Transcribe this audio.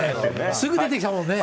すぐ出てきたもんね。